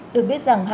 được biết rằng